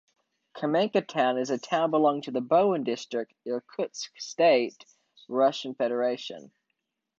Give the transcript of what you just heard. Kamenka town is a town belonging to Bohan District, Irkutsk state, Russian Federation.